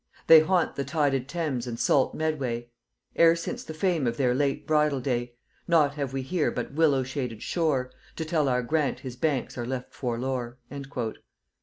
They haunt the tided Thames and salt Medway, E'er since the fame of their late bridal day. Nought have we here but willow shaded shore, To tell our Grant his banks are left forlore."